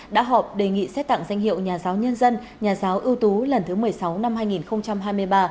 đã họp đề nghị xét tặng danh hiệu nhà giáo nhân dân nhà giáo ưu tú lần thứ một mươi sáu năm hai nghìn hai mươi ba